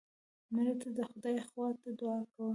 مړه ته د خدای خوا ته دعا کوو